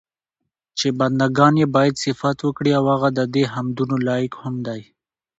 چې بندګان ئي بايد صفت وکړي، او هغه ددي حمدونو لائق هم دی